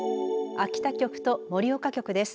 秋田局と盛岡局です。